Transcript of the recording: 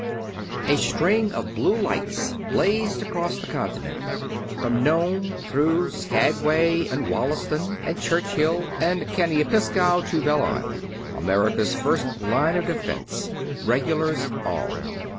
A string of blue lights blazed across the continent, from Nome through Skagway and Wallaston and Churchill and Kaniapiskau to Belle Isle; America's First Line of Defense. Regulars all.